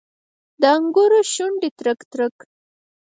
د انګورو شونډې ترک، ترک